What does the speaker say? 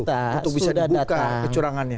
untuk bisa dibuka kecurangannya